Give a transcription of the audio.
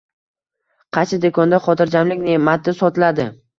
Qaysi do‘konda xotirjamlik ne’mati sotiladi?